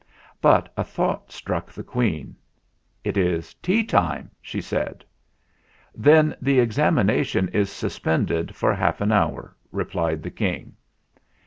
But a thought struck the Queen. "It is tea time," she said. "Then the examination is suspended for half an hour," replied the King.